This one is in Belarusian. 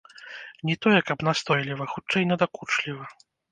Не тое, каб настойліва, хутчэй надакучліва.